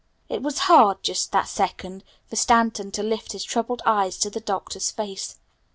It was hard, just that second, for Stanton to lift his troubled eyes to the Doctor's face.